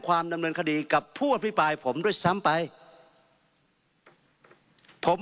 ดำเนินคดีกับผู้อภิปรายผมด้วยซ้ำไปผม